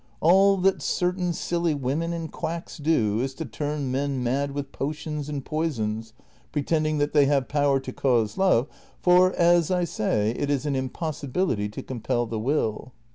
All that certain silly women and quacks do is to turn men mad with potions and poisons, pretending that they have power to cause love, for, as I say, it is an impossibility to compel the will."